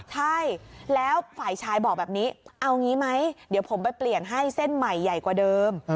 ใช่แล้วฝ่ายชายบอกแบบนี้เอางี้ไหมเดี๋ยวผมไปเปลี่ยนให้เส้นใหม่ใหญ่กว่าเดิม